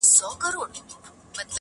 تراژیدیو بیان، د ټولنو د ناخوالو